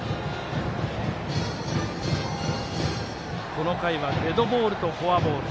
この回はデッドボールとフォアボール。